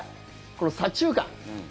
この、左中間。